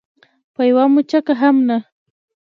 په یوه مچکه هم نه.